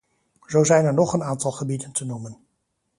Zo zijn er nog een aantal gebieden te noemen.